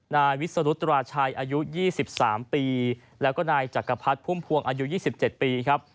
นายวิสรุตราชัยอายุ๒๓ปีแล้วก็นายจักรพรรดิพุ่มพวงอายุ๒๗ปีครับ